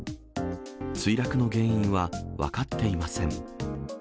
墜落の原因は分かっていません。